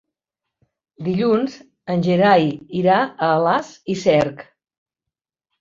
Dilluns en Gerai irà a Alàs i Cerc.